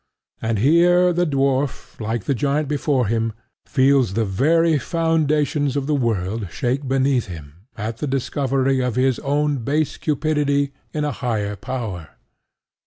And here the dwarf, like the giant before him, feels the very foundations of the world shake beneath him at the discovery of his own base cupidity in a higher power.